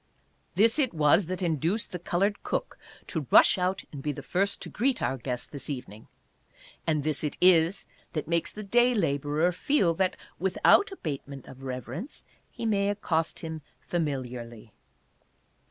This it was that induced the colored cook to rush out and be the first to greet our guest this evening, and this it is that makes the day laborer feel that, without abatement of reverence, he may accost him familiarly.